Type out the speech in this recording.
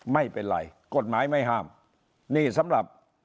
ไม่เป็นไรกฎหมายไม่ห้ามนี่สำหรับ